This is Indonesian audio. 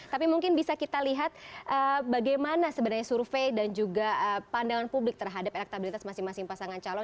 tapi mungkin bisa kita lihat bagaimana sebenarnya survei dan juga pandangan publik terhadap elektabilitas masing masing pasangan calon